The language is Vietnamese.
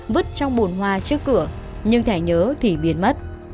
vứt trong bồn hoa trước cửa nhưng thẻ nhớ thì biến mất